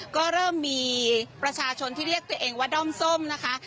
ก็เริ่มมีประชาชนที่เรียกตัวเองว่าด้อมส้มนะคะ